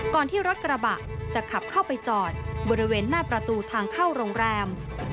ที่รถกระบะจะขับเข้าไปจอดบริเวณหน้าประตูทางเข้าโรงแรม